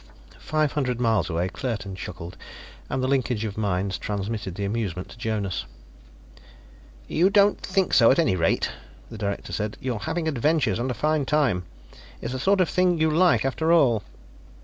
Five hundred miles away Claerten chuckled, and the linkage of minds transmitted the amusement to Jonas. "You don't think so, at any rate," the director said. "You're having adventures and a fine time. It's the sort of thing you like, after all."